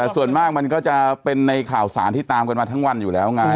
ส่วนมากมันก็จะเป็นในข่าวสารที่ตามกันมาทั้งวันอยู่แล้วไง